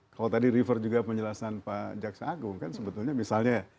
kalau tadi refer juga penjelasan pak jaksa agung kan sebetulnya misalnya ya